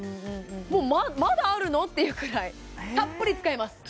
もうまだあるの！？っていうくらいたっぷり使えます